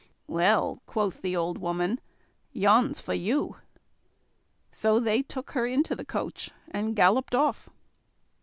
"Well," quoth the old woman, "yon's for you." So they took her into the coach and galloped off.